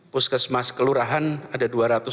puskesmas kelurahan ada dua ratus delapan puluh sembilan